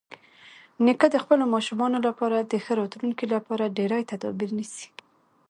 نیکه د خپلو ماشومانو لپاره د ښه راتلونکي لپاره ډېری تدابیر نیسي.